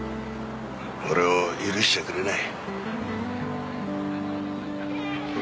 俺を許しちゃくれない。